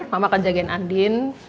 mama akan jagain andin